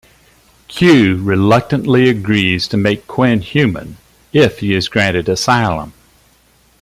Q reluctantly agrees to make Quinn human if he is granted asylum.